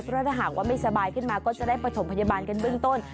เพราะถ้าหากว่าไม่สบายขึ้นมาก็จะได้ประถมพยาบาลกันเบื้องต้น